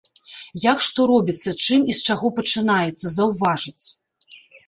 Як што робіцца, чым і з чаго пачынаецца, заўважыць.